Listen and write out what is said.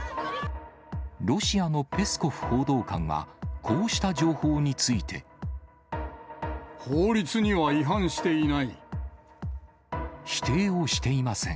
ロシアのペスコフ報道官は、こうした情報について。法律には違反していない。